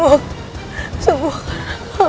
aku raksa banget papa